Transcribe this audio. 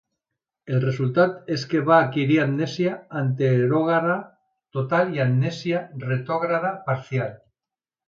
El resultat és que va adquirir amnèsia anterògrada total i amnèsia retrògrada parcial.